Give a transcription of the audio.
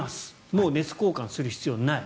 もう熱交換する必要がない。